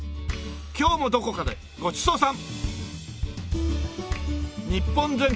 今日もどこかでごちそうさん！